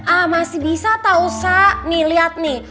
ah masih bisa tau sa nih liat nih